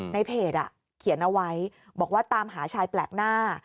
ในเพจเขียนเอาไว้บอกว่าตามหาชายแปลกหน้า